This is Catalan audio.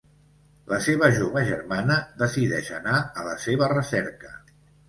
La seva jove germana decideix anar a la seva recerca.